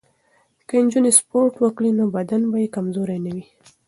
که نجونې سپورت وکړي نو بدن به یې کمزوری نه وي.